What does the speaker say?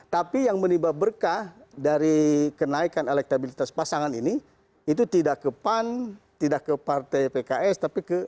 tapi yang menimba berkah dari kenaikan elektabilitas pasangan ini itu tidak ke pan tidak ke partai pks tapi ke